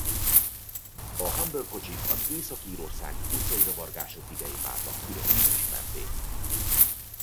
A Humber kocsik az Észak-Írországi utcai zavargások idején váltak különösen ismertté.